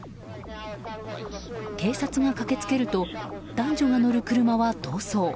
警察が駆けつけると男女が乗る車は逃走。